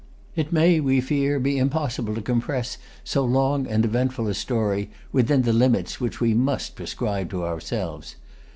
It may, we fear, be impossible to compress so long and eventful a story within the limits which we must prescribe to ourselves.